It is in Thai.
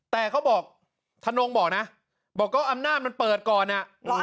แต่เขาบอกธนงบอกนะบอกก็อำนาจมันเปิดก่อน